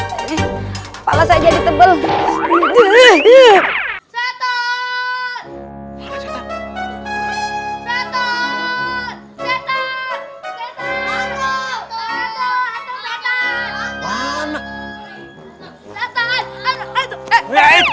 jalan atau lari itu pakai mata kepala pundak lutut